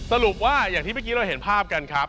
สรุปว่าอย่างที่เมื่อกี้เราเห็นภาพกันครับ